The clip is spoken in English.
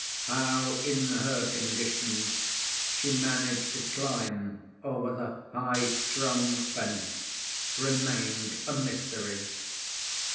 How, in her condition, she managed to climb over the high, strong fence remained a mystery.